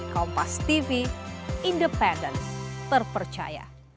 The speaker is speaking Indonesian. kompas tv independen terpercaya